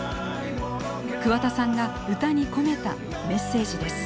桑田さんが歌に込めたメッセージです。